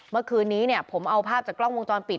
เมื่อคืนนี้ผมเอาภาพจากกล้องวงตอนปิด